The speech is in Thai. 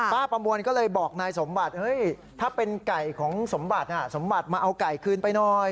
ประมวลก็เลยบอกนายสมบัติเฮ้ยถ้าเป็นไก่ของสมบัติสมบัติมาเอาไก่คืนไปหน่อย